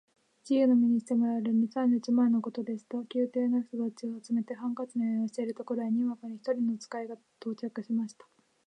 自由の身にしてもらえる二三日前のことでした。宮廷の人たちを集めて、ハンカチの余興をしているところへ、にわかに一人の使が到着しました。